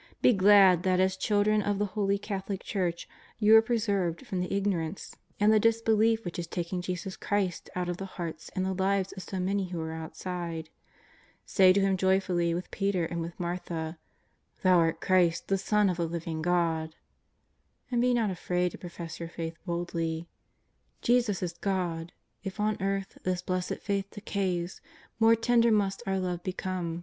Be glad that as children of the Holy Catholic Church you are preserved from the ignorance ♦ Ephes. 6. JESUS OF NAZARETH. 401 and the disbelief which is taking Jesus Christ out of the hearts and the lives of so many who are outside. S^y to Him joyfully with Peter and with Martha: ^' Thou art Christ the Son of the living God." And be not afraid to profess your faith boldly : Jesus is God ! if on the earth This blessed faith decays. More tender must our love become.